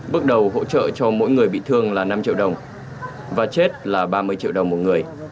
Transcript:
bước đầu hỗ trợ cho mỗi người bị thương là năm triệu đồng và chết là ba mươi triệu đồng một người